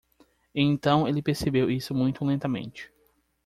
E então ele percebeu isso muito lentamente.